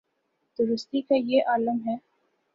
درستی کا یہ عالم ہے۔